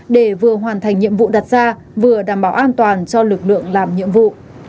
để vừa hoàn thành nhiệm vụ đặt ra vừa đảm bảo an toàn cho lực lượng làm nhiệm vụ